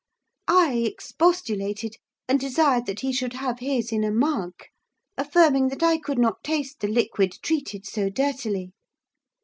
I expostulated, and desired that he should have his in a mug; affirming that I could not taste the liquid treated so dirtily.